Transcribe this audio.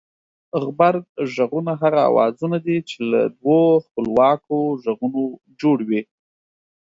غبرگ غږونه هغه اوازونه دي چې له دوو خپلواکو غږونو جوړ وي